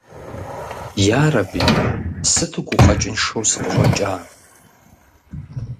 Ярэби, сыту гукъэкӀыншэу сыкъыщӀэкӀа.